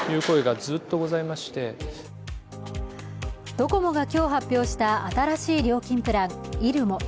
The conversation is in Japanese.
ドコモが今日、発表した新しい料金プラン、ｉｒｕｍｏ。